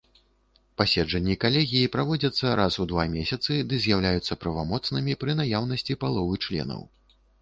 Паседжанні калегіі праводзяцца раз у два месяцы ды з'яўляюцца правамоцнымі пры наяўнасці паловы членаў.